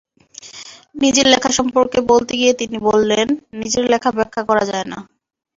নিজের লেখা সম্পর্কে বলতে গিয়ে তিনি বললেন, নিজের লেখা ব্যাখ্যা করা যায় না।